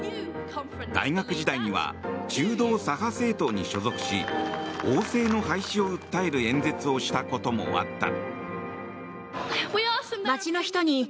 大学時代には中道左派政党に所属し王制の廃止を訴える演説をしたこともあった。